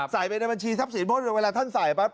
ใส่ไปในบัญชีทรัพย์สินเพราะเวลาท่านใส่ปั๊บ